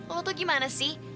lo tuh gimana sih